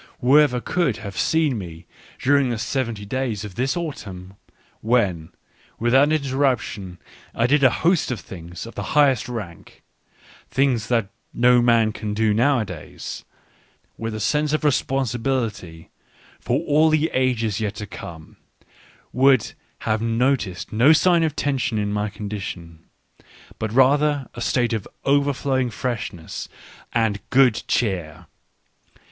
Whoever could have seen me during the r seventy days of this autumn, when, without inter ruption, I did a host of things of the highest rank — things that no man can do nowadays — with a sense of responsibility for all the ages yet to come, would have noticed no sign of tension in my condition, but rather a state of overflowing freshness and good cheer.